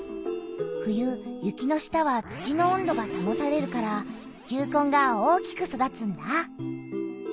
冬雪の下は土の温度がたもたれるから球根が大きく育つんだ！